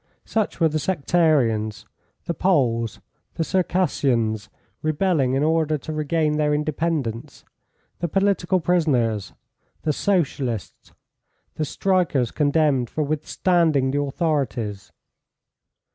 Such were the Sectarians, the Poles, the Circassians rebelling in order to regain their independence, the political prisoners, the Socialists, the strikers condemned for withstanding the authorities.